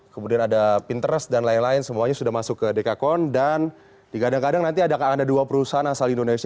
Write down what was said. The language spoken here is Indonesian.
kemudian ada pinterest dan lain lain semuanya sudah masuk ke dekakon dan digadang gadang nanti ada dua perusahaan asal indonesia